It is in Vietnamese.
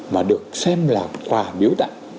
mà được xem là quả biểu tạng